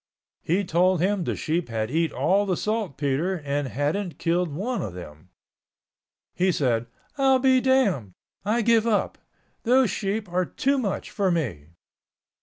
He told him the sheep had eat all the saltpeter and hadn't killed one of them. He said, "I'll be damned! I give up. Those sheep are too much for me."